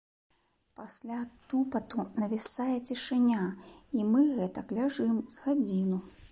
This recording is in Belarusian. Пасля тупату навісае цішыня, і мы гэтак ляжым з гадзіну.